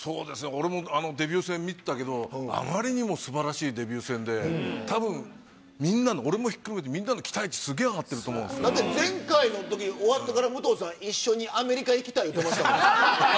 俺もデビュー戦見てたけど、あまりにもすばらしいデビュー戦で、たぶん、みんなの、俺もひっくるめて、みんなの期待値、だって前回のとき、終わってから、武藤さん、一緒にアメリカ行きたい言うてましたもんね。